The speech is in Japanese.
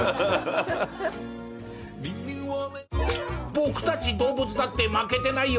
僕たち動物だって負けてないよ！